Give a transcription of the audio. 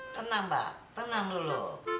tenang mbak tenang dulu